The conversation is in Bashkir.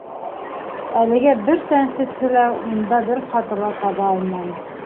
Әлегә бер тәнҡитсе лә унда бер хата ла таба алманы.